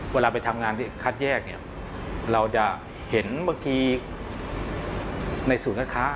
เวลาไปทำงานที่คัดแยกเนี่ยเราจะเห็นเมื่อกี้ในศูนย์ค้า